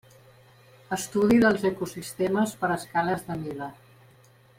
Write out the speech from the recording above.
Estudi dels ecosistemes per escales de mida.